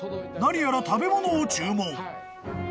［何やら食べ物を注文］